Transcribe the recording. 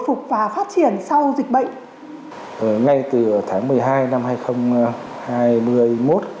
phục và phát triển sau dịch bệnh ngay từ tháng một mươi hai năm hai nghìn hai mươi một thì thực hiện cái chỉ đạo của cục hàng không